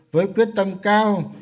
với quyết tâm cao